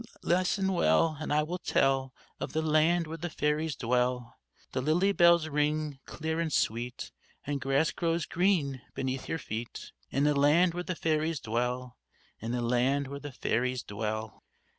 listen well, and I will tell, Of the land where the fairies dwell; The lily bells ring clear and sweet, And grass grows green beneath your feet In the land where the fairies dwell, In the land where the fairies dwell_."